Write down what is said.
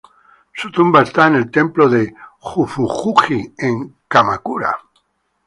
Su tumba está en el templo de Jufuku-ji en Kamakura.